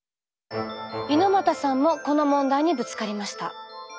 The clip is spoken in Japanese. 猪又さんもこの問題にぶつかりました。